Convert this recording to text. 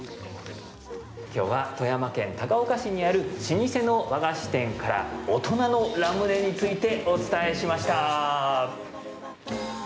今日は富山県高岡市にある老舗の和菓子店から大人のラムネについてお伝えしました。